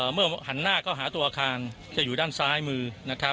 เมื่อหันหน้าเข้าหาตัวอาคารจะอยู่ด้านซ้ายมือนะครับ